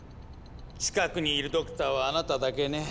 近くにいるドクターはあなただけね。